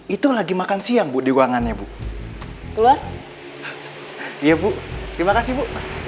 itu lagi makan siang bu di ruangannya bu keluar iya bu terima kasih bu